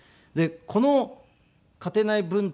この『家庭内文通』